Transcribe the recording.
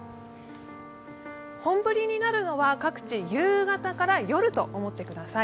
本降りになるのは各地、夕方から夜と思ってください。